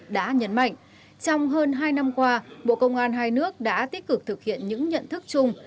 đã nhấn mạnh trong hơn hai năm qua bộ công an hai nước đã tích cực thực hiện những nhận thức chung